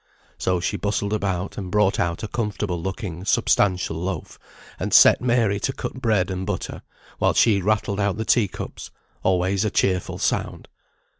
So she bustled about, and brought out a comfortable looking substantial loaf, and set Mary to cut bread and butter, while she rattled out the tea cups always a cheerful sound.